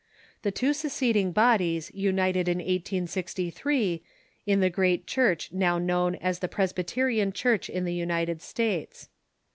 The two seceding bodies united in 1863 in the great Church now known as the Presbyterian Church in the United States.